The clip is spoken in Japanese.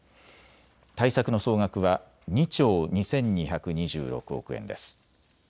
対策の総額は２兆２２２６億円です。